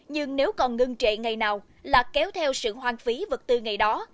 nhưng nếu còn ngưng trệ ngày nào là kéo theo sự hoang phí vật tư ngày đó